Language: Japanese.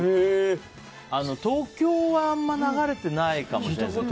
東京はあんまり流れてないかもしれないけど。